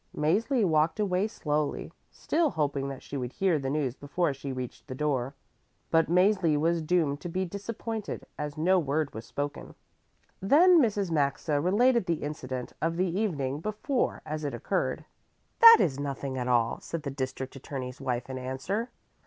Mäzli walked away slowly, still hoping that she would hear the news before she reached the door. But Mäzli was doomed to be disappointed, as no word was spoken. Then Mrs. Maxa related the incident of the evening before as it occurred. "That is nothing at all," said the district attorney's wife in answer.